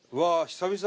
久々。